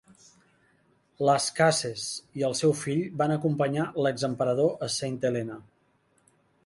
Las Cases i el seu fill van acompanyar l"ex-emperador a Saint Helena.